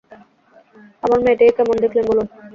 আমার মেয়েটিকে কেমন দেখলেন, বলুন।